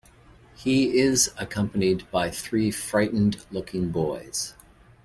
He is accompanied by three frightened-looking boys.